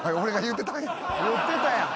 言ってたやん！